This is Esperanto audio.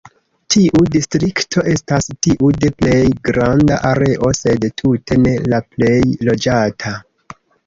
Tiu distrikto estas tiu de plej granda areo, sed tute ne la plej loĝata.